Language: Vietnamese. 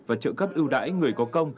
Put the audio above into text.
và trợ cấp ưu đãi người có cơ